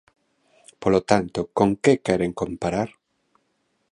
Polo tanto, ¿con que queren comparar?